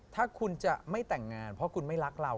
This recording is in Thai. ถ้าคุณจะไม่แต่งงานเพราะคุณไม่รักเรา